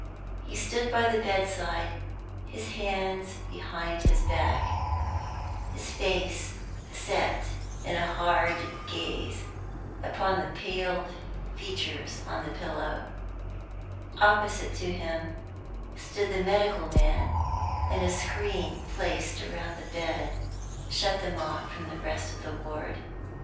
He stood by the bedside, his hands behind his back, his face set in a hard gaze upon the pale features on the pillow. Opposite to him stood the medical man, and a screen placed around the bed shut them off from the rest of the ward.